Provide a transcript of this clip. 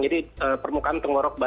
jadi permukaan tenggorok